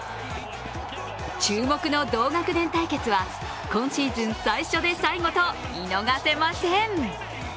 注目の同学年対決は今シーズン最初で最後と見逃せません。